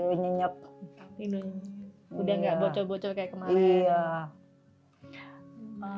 udah nggak bocol bocol kayak kemarin